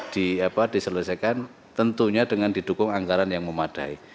diselesaikan tentunya dengan didukung anggaran yang memadai